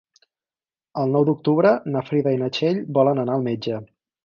El nou d'octubre na Frida i na Txell volen anar al metge.